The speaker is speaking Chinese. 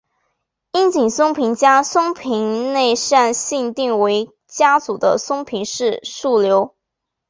樱井松平家松平内膳信定为家祖的松平氏庶流。